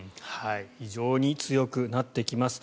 非常に強くなってきます。